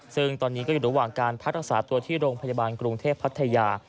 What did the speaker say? ซึ่งตอนนี้ก็อยู่ระหว่างการพักรักษาตัวที่โรงพยาบาลกรุงเทพพัทยา